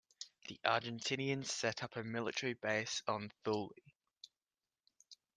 The Argentinians set up a military base on Thule.